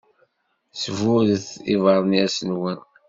Sburret ibeṛnyas-nwen.